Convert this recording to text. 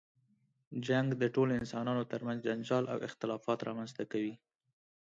جنګ د ټولو انسانانو تر منځ جنجال او اختلافات رامنځته کوي.